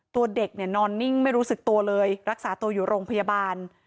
ตัวเด็กเนี่ยนอนนิ่งไม่รู้สึกตัวเลยรักษาตัวอยู่โรงพยาบาล